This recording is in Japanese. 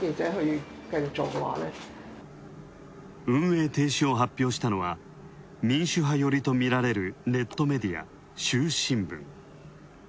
運営停止を発表したのは民主派寄りとみられるネットメディア、衆新聞。